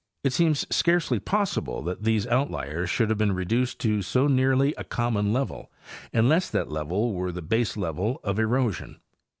It seems scarcely possible that these outliers should have been reduced to so nearly a common level unless that level were the baselevel of erosion.